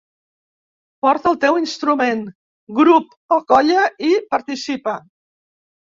Porta el teu instrument , grup o colla i participa!